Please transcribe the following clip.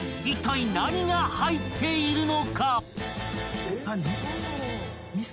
［いったい何が入っているのか！？］